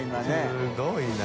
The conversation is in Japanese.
すごいな。